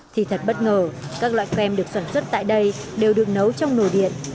thì thật bất ngờ các loại phem được sản xuất tại đây đều được nấu trong nồ điện